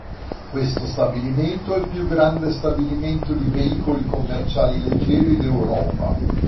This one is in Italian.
Questo stabilimento è il più grande stabilimento di veicoli commerciali leggeri d'Europa.